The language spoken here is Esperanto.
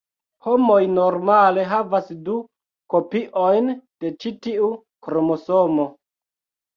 Homoj normale havas du kopiojn de ĉi tiu kromosomo.